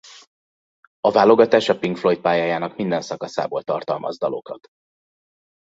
A válogatás a Pink Floyd pályájának minden szakaszából tartalmaz dalokat.